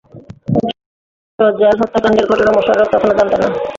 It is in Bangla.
অবশ্য একটি পক্ষের ভাষ্য, জেল হত্যাকাণ্ডের ঘটনা মোশাররফ তখনো জানতেন না।